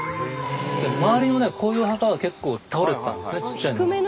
周りのねこういう墓は結構倒れてたんですねちっちゃいのは。